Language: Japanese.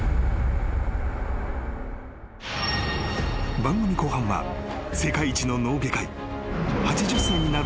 ［番組後半は世界一の脳外科医８０歳になる